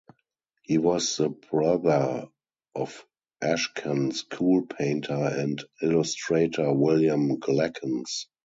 He was the brother of Ashcan School painter and illustrator William Glackens.